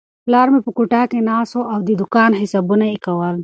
پلار مې په کوټه کې ناست و او د دوکان حسابونه یې کول.